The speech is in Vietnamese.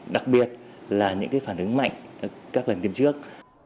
đặc biệt là những cái phản ứng mạnh các lần tiêm trước